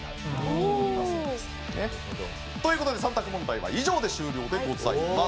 おお！という事で３択問題は以上で終了でございます。